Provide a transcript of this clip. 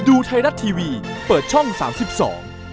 โอเคขอบคุณนะคะ